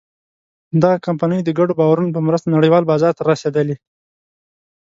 دغه کمپنۍ د ګډو باورونو په مرسته نړۍوال بازار ته رسېدلې.